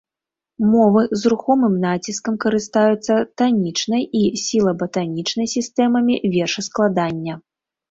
Мовы з рухомым націскам карыстаюцца танічнай і сілаба-танічнай сістэмамі вершаскладання.